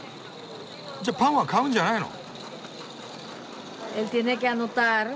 じゃあパンは買うんじゃないの？